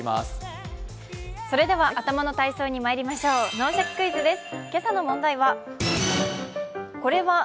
頭の体操にまいりましょう、「脳シャキ！クイズ」です。